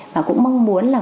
và cũng mong muốn là